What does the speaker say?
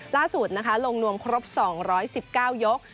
ล่าสุดลงนวมครบ๒๑๙ยก